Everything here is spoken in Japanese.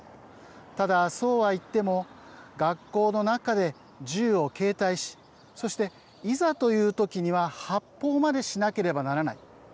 ただ、そうはいっても学校の中で銃を携帯しそして、いざというときには発砲までしなければならない。